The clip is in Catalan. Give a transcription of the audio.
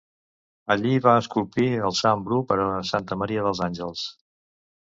Allí va esculpir el Sant Bru per a Santa Maria dels Àngels.